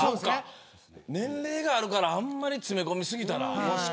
年齢があるからあんまり詰め込み過ぎたら。